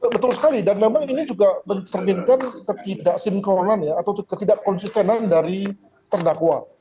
betul sekali dan memang ini juga mencerminkan ketidaksinkronan ya atau ketidak konsistenan dari terdakwa